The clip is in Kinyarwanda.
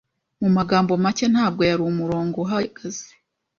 Mu magambo make, ntabwo yari umurongo uhagaze.